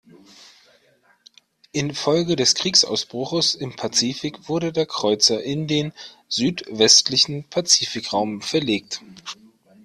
Infolge des Kriegsausbruchs im Pazifik wurde der Kreuzer in den südwestlichen Pazifikraum verlegt.